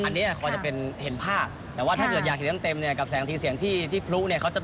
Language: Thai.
อันนี้ความจะเป็นเห็นภาพแต่ว่าถ้าเกิดอยากเห็นเต็มกับแสงทีเสียงที่พลุ